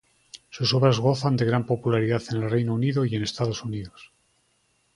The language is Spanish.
Sus obras gozan de gran popularidad en el Reino Unido y en Estados Unidos.